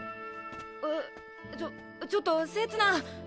えっちょちょっとせつな！